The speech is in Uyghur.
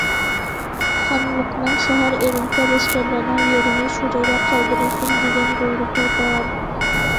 خانلىقنىڭ« شەھەر ئېلىنسا لەشكەرلەرنىڭ يېرىمى شۇ جايدا قالدۇرۇلسۇن!» دېگەن بۇيرۇقى بار.